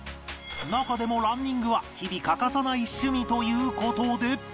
中でもランニングは日々欠かさない趣味という事で